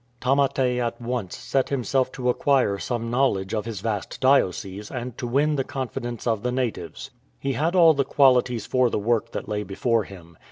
287 CRUISE ALONG THE SOUTH COAST Tamate at once set himself to acquire some knowledge of his vast diocese and to win the confidence of the natives. He had all the qualities for the work that lay before him.